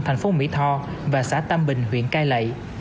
thành phố mỹ tho và xã tâm bình huyện cai lậy